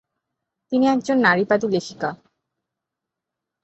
তিনি একজন নারীবাদী লেখিকা।